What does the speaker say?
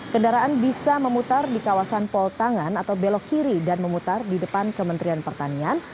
kendaraan bisa memutar di kawasan pol tangan atau belok kiri dan memutar di depan kementerian pertanian